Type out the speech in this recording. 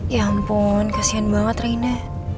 ya ampun kasihan banget rena